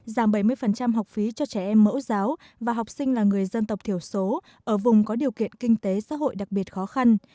giảm bảy mươi học phí cho trẻ em mẫu giáo và học sinh là người dân tộc thiểu số ở vùng có điều kiện kinh tế xã hội đặc biệt khó khăn